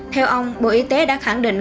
theo ông bộ y tế đã khẳng định